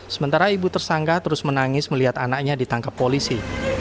sementara ibu tersangka terus menangis melihat anaknya ditangkap polisi